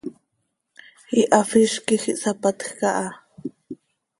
Ihafíz quij ihsapatjc aha.